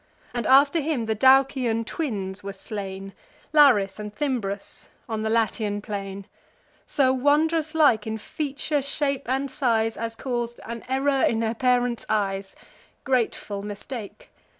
And, after him, the Daucian twins were slain, Laris and Thymbrus, on the Latian plain; So wondrous like in feature, shape, and size, As caus'd an error in their parents' eyes— Grateful mistake!